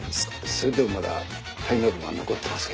それでもまだ滞納分は残ってますけど。